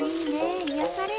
癒やされる。